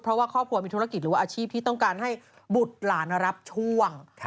เพราะว่าครอบครัวมีธุรกิจหรือว่าอาชีพที่ต้องการให้บุตรหลานรับช่วง